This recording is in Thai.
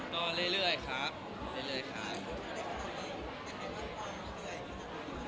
ก็เรื่อยครับ